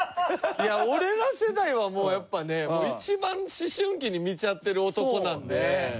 いや俺ら世代はもうやっぱね一番思春期に見ちゃってる男なので。